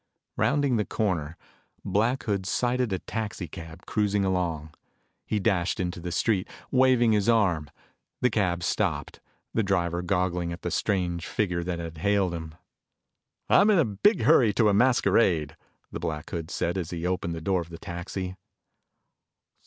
Rounding a corner, Black Hood sighted a taxi cab cruising along. He dashed into the street, waving his arm. The cab stopped, the driver goggling at the strange figure that had hailed him. "I'm in a big hurry to get to a masquerade," Black Hood said as he opened the door of the taxi.